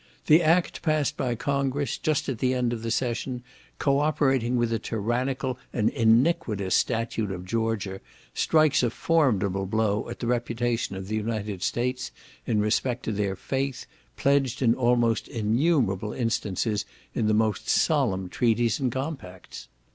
The Act passed by Congress, just at the end of the session, co operating with the tyrannical and iniquitous statute of Georgia, strikes a formidable blow at the reputation of the United States, in respect to their faith, pledged in almost innumerable instances, in the most solemn treaties and compacts."